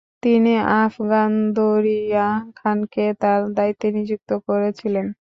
তিনি আফগান দরিয়া খানকে তার দায়িত্বে নিযুক্ত করেছিলেন।